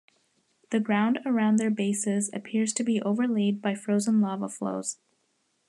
The ground around their bases appears to be overlaid by frozen lava flows.